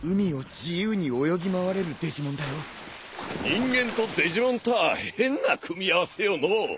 人間とデジモンたぁ変な組み合わせよのう。